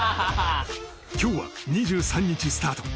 今日は２３日スタート